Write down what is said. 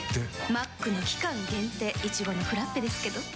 マックの期間限定、いちごのフラッペですけど。